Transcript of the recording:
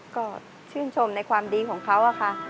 ก็ชื่นชมในความดีของเขาค่ะ